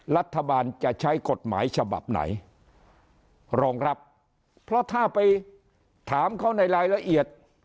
รัฐบาลจะใช้กฎหมายฉบับไหนรองรับเพราะถ้าไปถามเขาในรายละเอียด